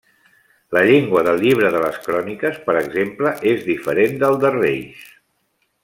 La llengua del llibre de les Cròniques, per exemple, és diferent del de Reis.